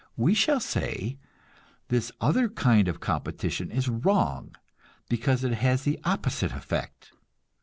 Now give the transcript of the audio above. We shall say, this other kind of competition is wrong because it has the opposite effect.